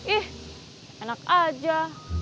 ih enak aja